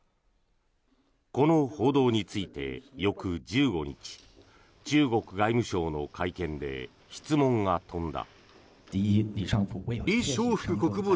この報道について翌１５日中国外務省の会見で質問が飛んだ。